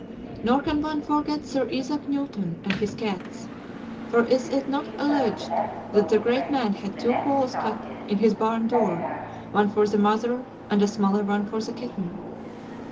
Nor can one forget Sir Isaac Newton and his cats: for is it not alleged that the great man had two holes cut in his barn door, one for the mother, and a smaller one for the kitten?